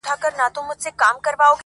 • لوی واړه به پر سجده ورته پراته وي -